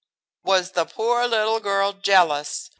"Was the poor little girl jealous?"